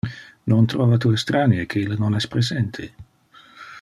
Non trova tu estranie que ille non es presente?